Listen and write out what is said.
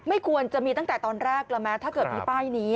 ควรจะมีตั้งแต่ตอนแรกแล้วไหมถ้าเกิดมีป้ายนี้